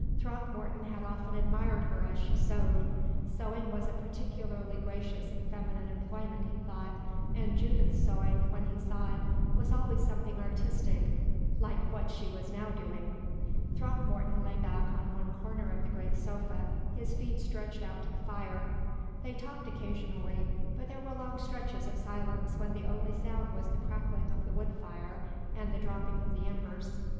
Throckmorton had often admired her as she sewed. Sewing was a peculiarly gracious and feminine employment, he thought, and Judith's sewing, when he saw it, was always something artistic like what she was now doing. Throckmorton lay back in one corner of the great sofa, his feet stretched out to the fire. They talked occasionally, but there were long stretches of silence when the only sound was the crackling of the wood fire and the dropping of the embers.